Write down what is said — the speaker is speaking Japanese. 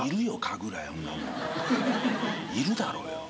いるだろうよ。